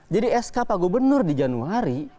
jadi sk pak gubernur di januari